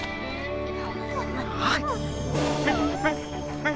はい。